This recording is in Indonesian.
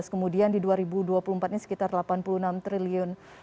kemudian di dua ribu dua puluh empat ini sekitar rp delapan puluh enam triliun